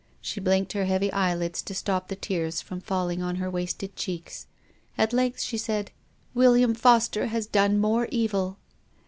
She blinked her heavy eyelids to stop the tears from falling on her wasted cheeks. At length she said, "William Foster has done more evil."